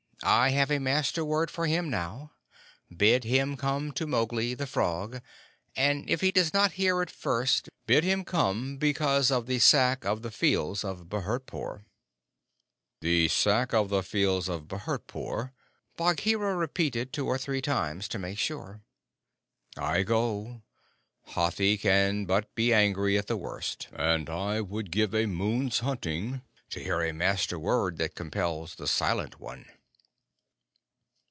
I have a Master word for him now. Bid him come to Mowgli, the Frog, and if he does not hear at first, bid him come because of the Sack of the Fields of Bhurtpore." "The Sack of the Fields of Bhurtpore," Bagheera repeated two or three times to make sure. "I go. Hathi can but be angry at the worst, and I would give a moon's hunting to hear a Master word that compels the Silent One."